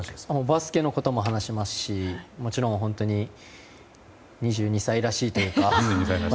バスケのことも話しますし２２歳らしいというか。